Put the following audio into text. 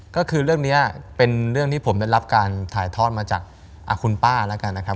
ก็คือเรื่องนี้เป็นเรื่องที่ผมได้รับการถ่ายทอดมาจากคุณป้าแล้วกันนะครับ